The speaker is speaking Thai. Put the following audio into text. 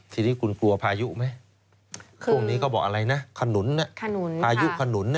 ทีนี้คุณกลัวพายุไหมช่วงนี้เขาบอกอะไรนะขนุนพายุขนุน